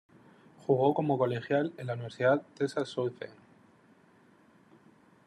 Jugó como colegial en la Universidad Texas Southern.